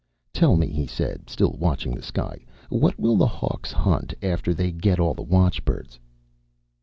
"Tell me," he said, still watching the sky, "what will the Hawks hunt after they get all the watchbirds?"